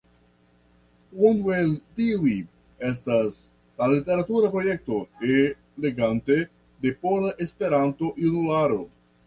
Unu el tiuj estas la literatura projekto E-legante de Pola Esperanto-Junularo.